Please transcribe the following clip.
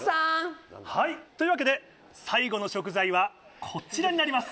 はいというわけで最後の食材はこちらになります。